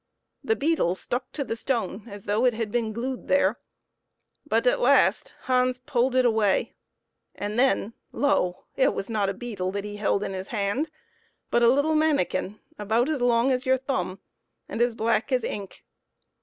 The beetle stuck to the stone as though it had been glued there, but, at last, Hans pulled it away; then lo ! it was not a beetle that he held in his hand, but a little manikin about as long as your thumb and as black as ink.